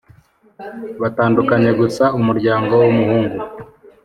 batandukanye gusa umuryango w’umuhungu